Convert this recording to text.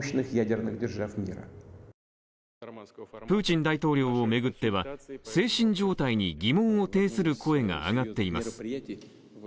プーチン大統領を巡っては、精神状態に疑問を呈する声が上がっています。